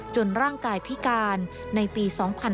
ร่างกายพิการในปี๒๕๕๙